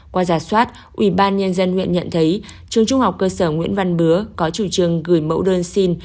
qua giả soát ủy ban nhân dân huyện nhận thấy trường trung học cơ sở nguyễn văn bứa có chủ trương gửi mẫu đơn xin